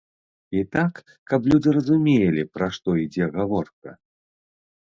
І так, каб людзі разумелі, пра што ідзе гаворка.